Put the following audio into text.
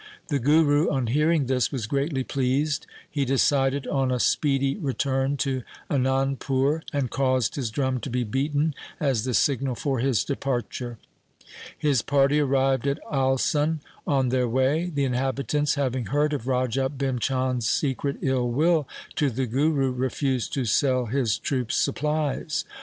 The Guru on hearing this was greatly pleased. He decided on a speedy return to Anand pur, and caused his drum to be beaten as the signal for his departure. His party arrived at Alsun on their way. The inhabitants, having heard of Raja Bhim Chand' s secret ill will to the Guru, refused to sell his troops supplies.